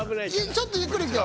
ちょっとゆっくりいくよ。